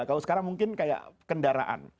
kalau sekarang mungkin kayak kendaraan